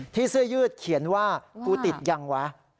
เสื้อยืดเขียนว่ากูติดยังวะ